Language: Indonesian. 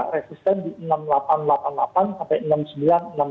resisten di enam ribu delapan ratus delapan puluh delapan sampai enam puluh sembilan enam puluh